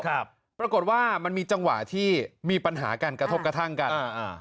ปรากฏว่ามันมีจังหวะที่มีปัญหาการกระทบกระทั่งกันอ่าอ่า